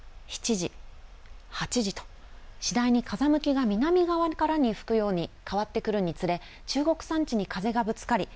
６時、７時、８時と次第に風向きが南側からに吹くように変わってくるにつれ中国山地に風がぶつかり